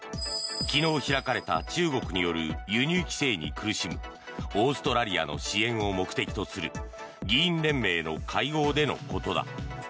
昨日開かれた中国による輸入規制に苦しむオーストラリアの支援を目的とする議員連盟の会合でのことだ。